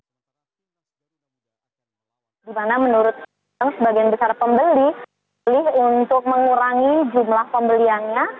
di mana menurut saya sebagian besar pembeli untuk mengurangi jumlah pembeliannya